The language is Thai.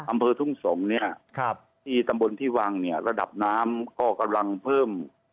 อำเภอตรุงสงที่ตำบลที่วังระดับน้ำก็กำลังเพิ่ม